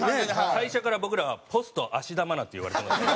会社から僕らは「ポスト芦田愛菜」って言われてますね。